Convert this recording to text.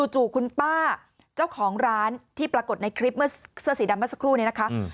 จู่คุณป้าเจ้าของร้านที่ปรากฏในคลิปเมื่อเสื้อสีดำเมื่อสักครู่นี้นะคะ